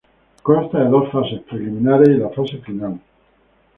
Consta de dos fases preliminares y la fase final.